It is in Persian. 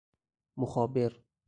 مخابر